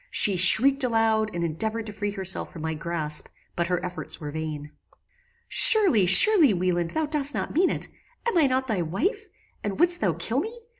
She shrieked aloud, and endeavoured to free herself from my grasp; but her efforts were vain. "Surely, surely Wieland, thou dost not mean it. Am I not thy wife? and wouldst thou kill me?